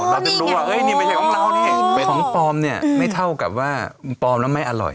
เราจะรู้ว่านี่ไม่ใช่ของเรานี่เป็นของปลอมเนี่ยไม่เท่ากับว่าปลอมแล้วไม่อร่อย